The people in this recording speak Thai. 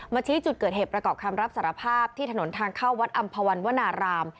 ชี้จุดเกิดเหตุประกอบคำรับสารภาพที่ถนนทางเข้าวัดอำภาวันวนาราม